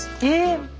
え！